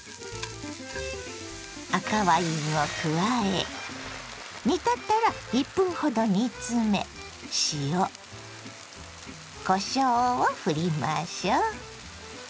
赤ワインを加え煮立ったら１分ほど煮詰め塩こしょうをふりましょう。